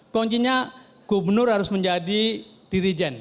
koncinya gubernur harus menjadi dirigen